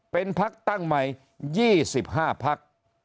เป็นพักตั้งใหม่๒๕พัก